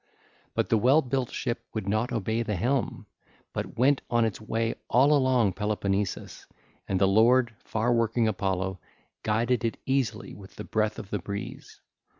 But the well built ship would not obey the helm, but went on its way all along Peloponnesus: and the lord, far working Apollo, guided it easily with the breath of the breeze.